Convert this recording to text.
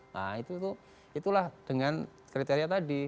nah itulah dengan kriteria tadi